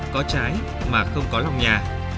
có trái mà không có lòng nhà